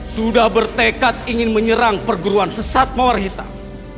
sudah bertekad ingin menyerang perguruan sesat mawar hitam